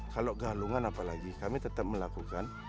kalau galungan apalagi kami tetap melakukan